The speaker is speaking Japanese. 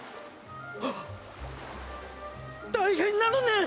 はっ大変なのねん！